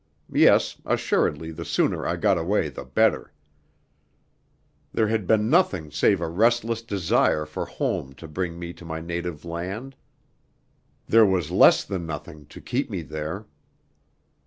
Yes, assuredly the sooner I got away the better. There had been nothing save a restless desire for home to bring me to my native land. There was less than nothing to keep me there.